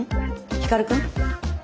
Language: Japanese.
光くん？